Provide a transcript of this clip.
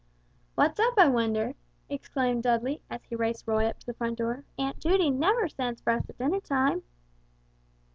"What's up, I wonder!" exclaimed Dudley, as he raced Roy up to the front door; "Aunt Judy never sends for us at dinner time."